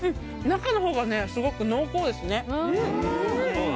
中のほうがすごく濃厚ですね。